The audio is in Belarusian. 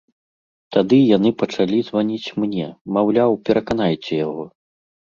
Тады яны пачалі званіць мне, маўляў, пераканайце яго.